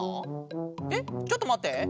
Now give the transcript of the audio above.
えっちょっとまって。